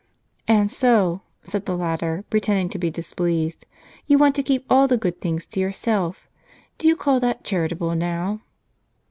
"And so," said the latter, pretending to be displeased, "you want to keep all the good things to yourself. Do you call that charitable, now